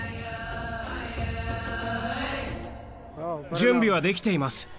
準備はできています。